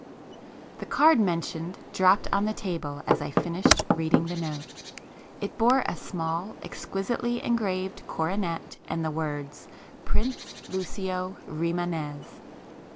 The card mentioned dropped on the table as I finished reading the note. It bore a small, exquisitely engraved coronet and the words Prince Lucio Rimânez.